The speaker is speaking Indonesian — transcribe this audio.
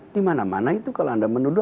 di mana mana itu kalau anda menuduh